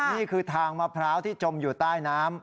นี่คือทางมะพร้าวที่จมอยู่ใต้น้ำ